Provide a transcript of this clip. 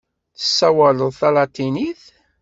Tessawaleḍ talatinit?